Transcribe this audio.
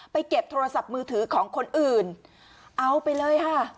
เก็บโทรศัพท์มือถือของคนอื่นเอาไปเลยค่ะ